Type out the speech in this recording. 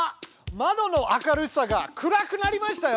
まどの明るさが暗くなりましたよ。